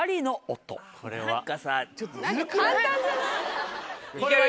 簡単じゃない？